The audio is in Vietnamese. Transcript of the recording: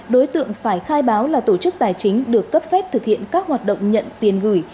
đối tượng phải khai báo là tổ chức tài chính được cấp phép thực hiện các hoạt động nhận tiền gửi